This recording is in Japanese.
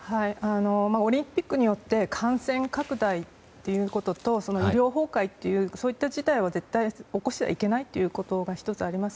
オリンピックによって感染拡大ということと医療崩壊というそういった事態は絶対起こしてはいけないことが１つ、あります。